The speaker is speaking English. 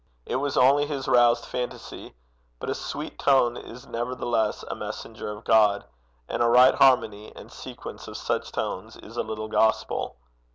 It was only his roused phantasy; but a sweet tone is nevertheless a messenger of God; and a right harmony and sequence of such tones is a little gospel.